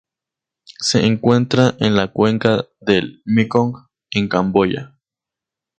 Se encuentra en la cuenca del Mekong en Camboya.